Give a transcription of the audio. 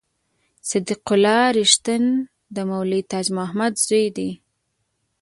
صدیق الله رښتین د مولوي تاج محمد زوی دی.